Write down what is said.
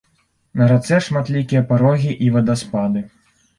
На рацэ шматлікія парогі і вадаспады.